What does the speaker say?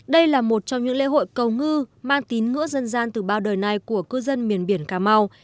đây là một trong những lễ hội cầu ngư mang tín ngưỡng dân gian từ bao đời này của cư dân miền biển cà mau